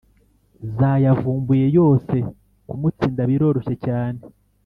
zayavumbuye yose. kumutsinda biroroshye cyane